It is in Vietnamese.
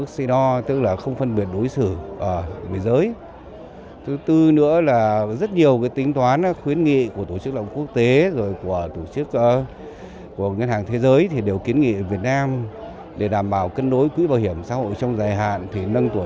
xin chào và hẹn gặp lại các bạn trong các bộ phim tiếp theo